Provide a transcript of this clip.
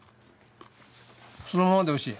そのままでおいしい。